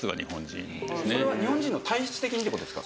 それは日本人の体質的にって事ですか？